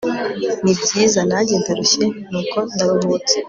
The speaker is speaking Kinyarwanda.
nibyiza nanjye ndarushye, nuko ndaruhutse